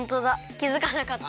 きづかなかった。